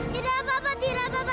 tidak apa apa tidak apa apa